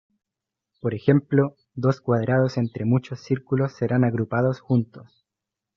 Por ejemplo, dos cuadrados entre muchos círculos serán agrupados juntos.